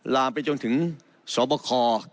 ลามไปจนถึงสบค